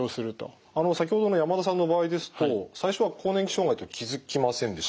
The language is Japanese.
あの先ほどの山田さんの場合ですと最初は更年期障害と気付きませんでしたね。